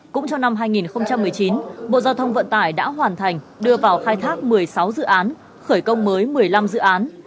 cũng trong năm hai nghìn một mươi chín bộ giao thông vận tải đã hoàn thành đưa vào khai thác một mươi sáu dự án khởi công mới một mươi năm dự án